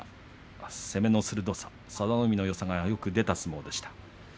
佐田の海のよさがよく出た相撲でした。